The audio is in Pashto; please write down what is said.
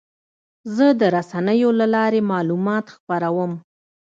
زه د رسنیو له لارې معلومات خپروم.